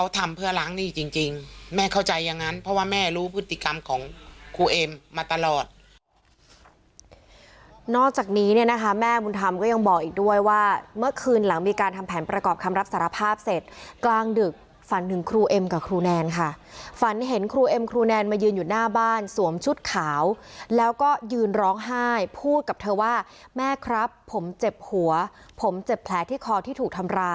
ทั้งนี้จริงจริงแม่เข้าใจอย่างนั้นเพราะว่าแม่รู้พฤติกรรมของครูเอ็มมาตลอดนอกจากนี้เนี่ยนะคะแม่บุญธรรมก็ยังบอกอีกด้วยว่าเมื่อคืนหลังมีการทำแผนประกอบคำรับสารภาพเสร็จกลางดึกฝันถึงครูเอ็มกับครูแนนค่ะฝันเห็นครูเอ็มครูแนนมายืนอยู่หน้าบ้านสวมชุดขาวแล้วก็ยืนร้องไห้พู